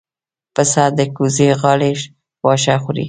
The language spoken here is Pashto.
پسه د کوزې غاړې واښه خوري.